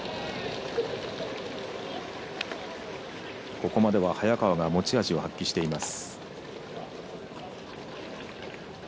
ここまでは早川が持ち味を発揮しています。